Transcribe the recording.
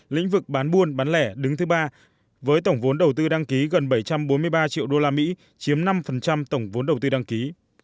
lĩnh vực bán buôn bán lẻ đứng thứ ba với tổng vốn đầu tư đăng ký gần bảy trăm bốn mươi ba triệu usd chiếm năm tổng vốn đầu tư đăng ký